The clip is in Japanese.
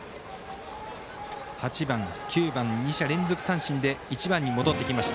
８番、９番２者連続三振で１番に戻ってきました。